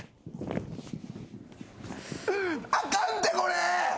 あかんってこれ！